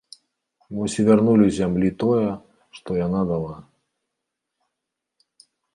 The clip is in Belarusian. Вось і вярнулі зямлі тое, што яна дала.